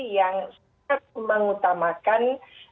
yang sangat mengutamakan